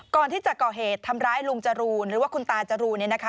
ก่อนที่จะก่อเหตุทำร้ายลุงจรูนหรือว่าคุณตาจรูนเนี่ยนะคะ